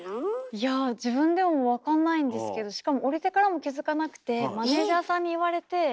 いやぁ自分でも分かんないんですけどしかも降りてからも気付かなくてマネージャーさんに言われて。